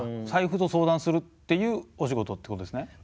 財布と相談するっていうお仕事ってことですね。